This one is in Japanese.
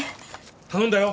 頼んだよ！